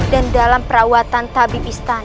dan dalam perawatan tabib istana